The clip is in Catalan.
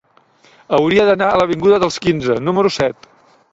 Hauria d'anar a l'avinguda dels Quinze número set.